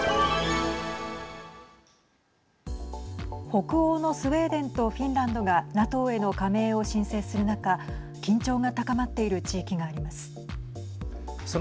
北欧のスウェーデンとフィンランドがＮＡＴＯへの加盟を申請する中緊張が高まっている地域があります。